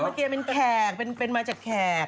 รามะเกียงเป็นแขกเป็นมาจากแขก